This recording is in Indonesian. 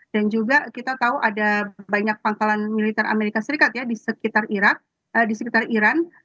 dan juga kita tahu ada banyak pantalan militer amerika serikat ya di sekitar iran